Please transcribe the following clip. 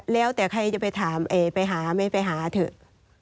แล้วแต่ใครจะไปถามไปหาไม่ไปหาเถอะ